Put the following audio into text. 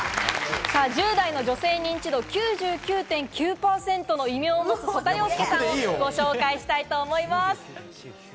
１０代の女性認知度９９．９％の異名をもつ曽田陵介さんをご紹介したいと思います。